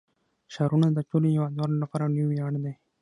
ښارونه د ټولو هیوادوالو لپاره لوی ویاړ دی.